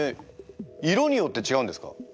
色によって違うんですか？